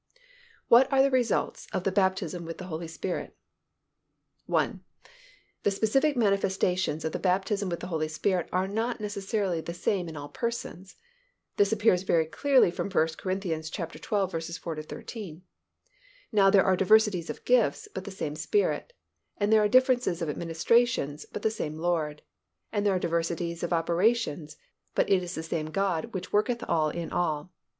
WHAT ARE THE RESULTS OF THE BAPTISM WITH THE HOLY SPIRIT? 1. The specific manifestations of the baptism with the Holy Spirit are not precisely the same in all persons. This appears very clearly from 1 Cor. xii. 4 13, "Now there are diversities of gifts, but the same Spirit. And there are differences of administrations, but the same Lord. And there are diversities of operations, but it is the same God which worketh all in all.